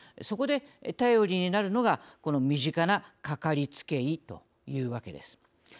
そこで頼りになるのがこの身近なかかりつけ医というわけです。